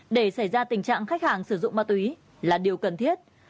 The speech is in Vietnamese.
để xảy ra tình trạng khách hàng sử dụng ma túy là điều cần thiết